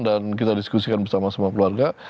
dan kita diskusikan bersama sama keluarga